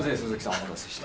お待たせして。